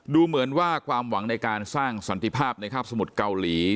ดูเหมือนว่าความหวังในการสร้างสันติภาพในคาบสมุทรเกาหลี